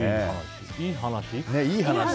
いい話。